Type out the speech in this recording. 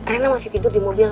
rena masih tidur di mobil